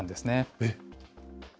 えっ？